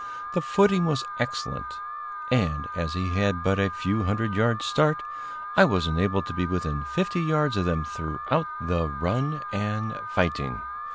The footing was excellent, and, as he had but a few hundred yards' start, I was enabled to be within fifty yards of them throughout the run and fighting.